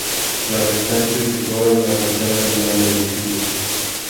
Las restantes decoran la fachada general del edificio.